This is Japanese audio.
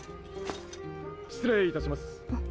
失礼いたします。